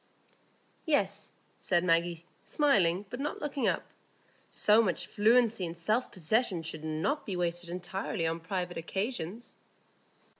"Yes," said Maggie, smiling, but not looking up; "so much fluency and self possession should not be wasted entirely on private occasions."